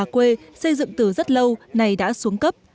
quê xây dựng từ rất lâu nay đã xuống cấp